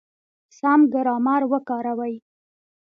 سم ګرامر وکاروئ!